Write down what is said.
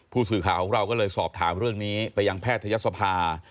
ผู้สื่อข่าวของเราก็เลยสอบถามเรื่องนี้ไปยังแพทยศภา